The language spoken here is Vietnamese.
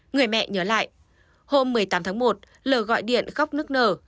người mẹ nhớ lại hôm một mươi tám tháng một l gọi điện khóc nước nở